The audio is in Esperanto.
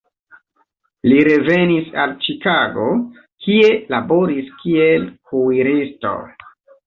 Li revenis al Ĉikago, kie laboris kiel kuiristo.